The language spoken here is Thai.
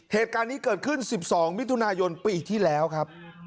เหตุการณ์นี้เกิดขึ้น๑๒มิถุนายนปีที่แล้วครับ